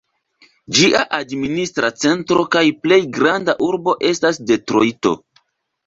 Ĝia administra centro kaj plej granda urbo estas Detrojto.